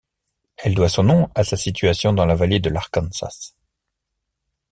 Elle doit son nom à sa situation dans la vallée de l'Arkansas.